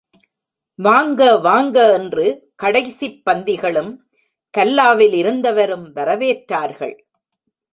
வாங்க வாங்க, என்று கடைசிப் பந்திகளும், கல்லாவில் இருந்தவரும் வரவேற்றார்கள்.